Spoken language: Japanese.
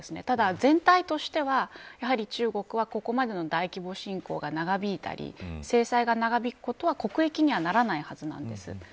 ただ、全体としては、やはり中国は、ここまでの大規模侵攻が長引いたり制裁が長引くことは国益にはならないはずなんです。